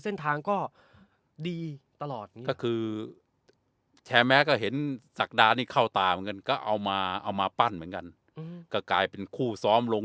เส้นทางก็ดีตลอดก็คือแถวก็เห็นจักรดาลูกเข้าตาลึกับก็เอามาเอามาปั้นเหมือนกันก็กลายเป็นคู่ส้อมลง